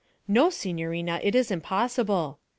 'No, signorina, it is impossible.'